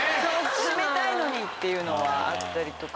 締めたいのにっていうのはあったりとか。